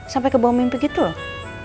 sampai ke bawah mimpi gitu loh